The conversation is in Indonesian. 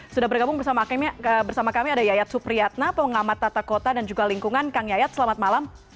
sudah bergabung bersama kami ada yayat supriyatna pengamat tata kota dan juga lingkungan kang yayat selamat malam